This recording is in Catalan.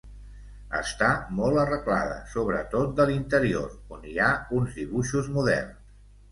Està molt arreglada, sobretot de l'interior, on hi ha uns dibuixos moderns.